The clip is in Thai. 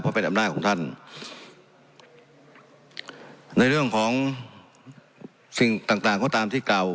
เพราะเป็นอำนาจของท่านในเรื่องของสิ่งต่างต่างก็ตามที่เก่า